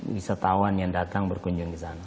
wisatawan yang datang berkunjung disana